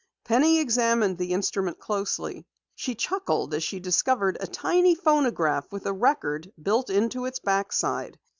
Penny examined the instrument closely. She chuckled as she discovered a tiny phonograph with a record built into its back side.